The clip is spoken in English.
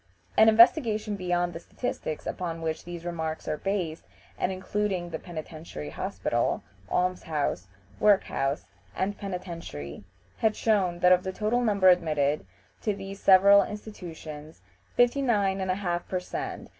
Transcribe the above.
" An investigation beyond the statistics upon which these remarks were based, and including the Penitentiary Hospital, Alms house, Work house and Penitentiary, had shown that of the total number admitted to these several institutions 59 1/2 per cent.